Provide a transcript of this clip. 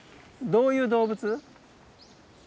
どういう動物？